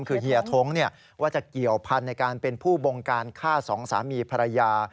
คือเฮียท้งว่าจะเกี่ยวพันธุ์ในการเป็นผู้บงการฆ่าสองสามีภรรยา